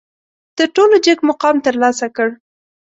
تر ټولو جګ مقام ترلاسه کړ.